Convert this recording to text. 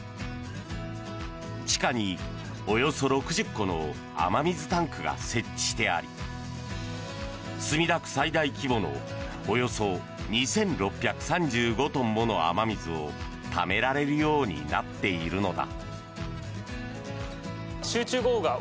地下に、およそ６０個の雨水タンクが設置してあり墨田区最大規模のおよそ２６３５トンもの雨水をためられるようになっているのだ。